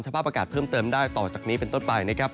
สภาพอากาศเพิ่มเติมได้ต่อจากนี้เป็นต้นไปนะครับ